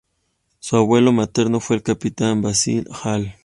Su abuelo materno fue el capitán Basil Hall.